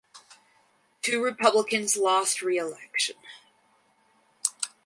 Two Republicans lost reelection.